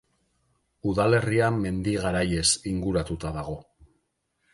Udalerria mendi garaiez inguratuta dago.